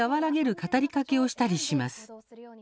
語りかけをしたりします。